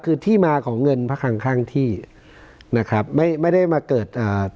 คือที่มาของเงินพระคังข้างที่นะครับไม่ไม่ได้มาเกิดอ่า